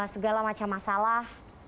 segala macam masalah